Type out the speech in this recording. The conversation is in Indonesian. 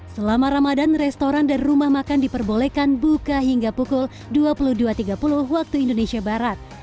selama ramadan restoran dan rumah makan diperbolehkan buka hingga pukul dua puluh dua tiga puluh waktu indonesia barat